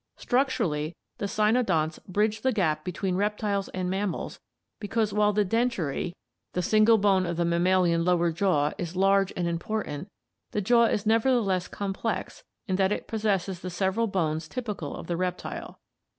Structurally the cynodonts bridge the gap between reptiles and mammals because while the dentary, ORIGIN OF MAMMALS AND ARCHAIC MAMMALS 541 the single bone of the mammalian lower jaw, is large and important, the jaw is nevertheless complex in that it possesses the several bones typical of the reptile.